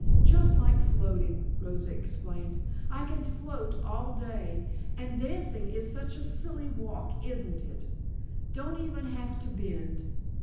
"Just like floating," Rosa explained. "I Can float all day. And dancing is such a silly walk, isn't it? Don't even have to bend."